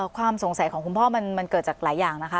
ความสงสัยของคุณพ่อมันเกิดจากหลายอย่างนะคะ